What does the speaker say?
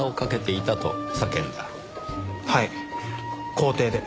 校庭で。